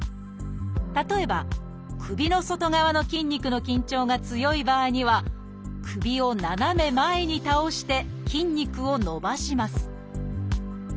例えば首の外側の筋肉の緊張が強い場合には首を斜め前に倒して筋肉を伸ばします